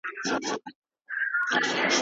ما په سترګو خر لیدلی پر منبر دی